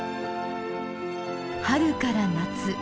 春から夏。